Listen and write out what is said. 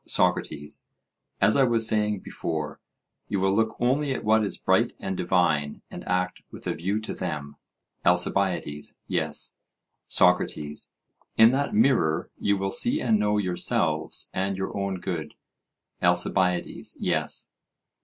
SOCRATES: As I was saying before, you will look only at what is bright and divine, and act with a view to them? ALCIBIADES: Yes. SOCRATES: In that mirror you will see and know yourselves and your own good? ALCIBIADES: Yes.